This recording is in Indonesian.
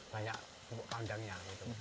banyak pupuk kandangnya